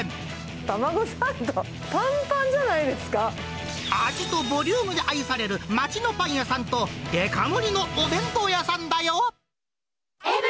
タマゴサンド、ぱんぱんじゃ味とボリュームで愛される、町のパン屋さんとデカ盛りのお弁当屋さんだよ。